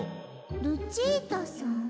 ルチータさん？